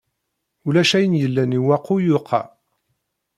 Ulac ayen yellan i waqu yuqa.